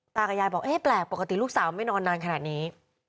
ตากับยายบอกเอ๊ะแปลกปกติลูกสาวไม่นอนนานขนาดนี้